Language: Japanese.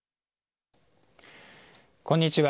こんにちは。